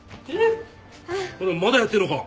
まだやってんのか。